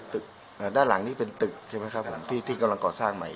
ด้านหลังนี้เป็นตึกใช่ไหมครับหลังที่ที่กำลังก่อสร้างใหม่